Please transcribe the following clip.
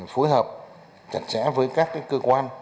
phối hợp chặt chẽ với các cái cơ quan